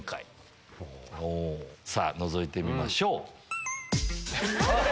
さぁのぞいてみましょう。